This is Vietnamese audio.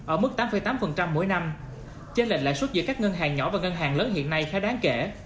ở mức tám tám mỗi năm trên lệnh lãi suất giữa các ngân hàng nhỏ và ngân hàng lớn hiện nay khá đáng kể